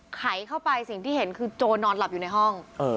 ไขเข้าไปสิ่งที่เห็นคือโจรนอนหลับอยู่ในห้อง